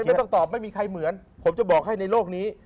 ไม่ต้องตอบไม่มีใครเหมือนผมจะบอกให้ในโลกนี้